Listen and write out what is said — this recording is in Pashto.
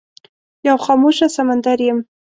یو خاموشه سمندر یم